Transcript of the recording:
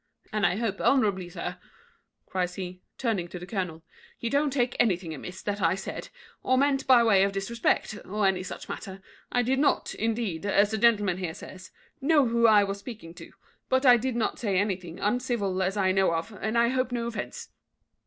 And I hope, honourable sir," cries he, turning to the colonel, "you don't take anything amiss that I said, or meant by way of disrespect, or any such matter. I did not, indeed, as the gentleman here says, know who I was speaking to; but I did not say anything uncivil as I know of, and I hope no offence."